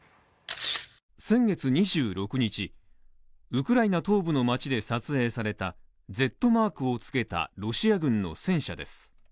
先月２６日ウクライナ東部の街で撮影されたＺマークをつけたロシア軍の戦車です。